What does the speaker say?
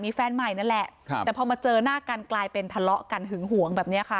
มีแฟนใหม่นั่นแหละครับแต่พอมาเจอหน้ากันกลายเป็นทะเลาะกันหึงหวงแบบนี้ค่ะ